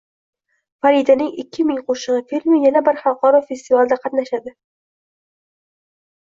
“Faridaning ikki ming qo‘shig‘i” filmi yana bir xalqaro kinofestivalda qatnashadi